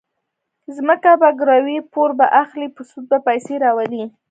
ځمکه به ګروي، پور به اخلي، په سود به پیسې راولي.